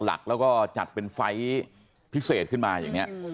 หลักแล้วก็จัดเป็นไฟล์พิเศษขึ้นมาอย่างนี้